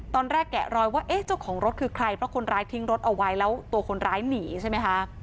แกะรอยว่าเอ๊ะเจ้าของรถคือใครเพราะคนร้ายทิ้งรถเอาไว้แล้วตัวคนร้ายหนีใช่ไหมคะ